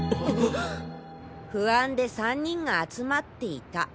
不安で３人が集まっていた。